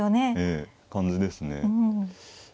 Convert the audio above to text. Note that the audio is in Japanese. ええ感じですね。